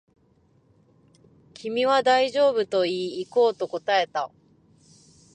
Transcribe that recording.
君は大丈夫と言い、行こうと答えた